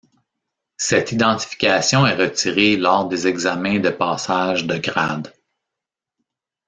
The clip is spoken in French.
Cette identification est retirée lors des examens de passage de grades.